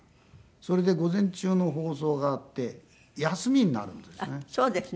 それで午前中の放送があって休みになるんですね。